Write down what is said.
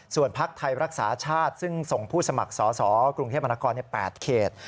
ส่วนพักไทยรักษาชาติซึ่งส่งผู้สมัครสอสอกรุงเทพมนาคม๘เขต